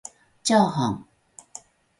ちゃーはん